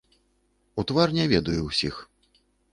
У твар не ведаю ўсіх.